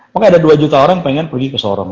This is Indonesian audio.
makanya ada dua juta orang pengen pergi ke sorong